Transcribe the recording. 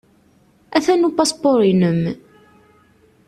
Atan upaspuṛ-nnem.